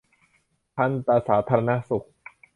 ทันตสาธารณสุข